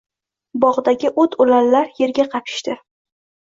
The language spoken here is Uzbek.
Bogʻdagi oʻt-oʻlanlar yerga qapishdi.